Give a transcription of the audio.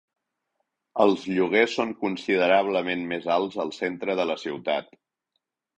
Els lloguers són considerablement més alts al centre de la ciutat.